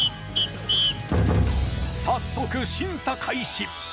早速審査開始！